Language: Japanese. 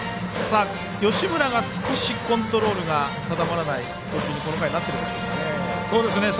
吉村が少しコントロールが定まらない投球にこの回、なっているでしょうかね。